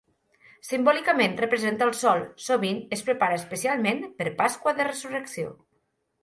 Simbòlicament representa el sol, sovint es prepara especialment per Pasqua de Resurrecció.